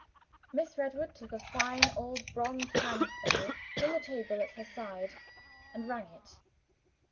Miss Redwood took a fine old bronze hand bell from the table at her side, and rang it.